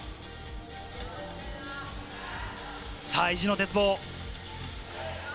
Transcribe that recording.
意地の鉄棒。